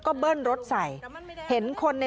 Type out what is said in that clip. โทรศัพที่ถ่ายคลิปสุดท้าย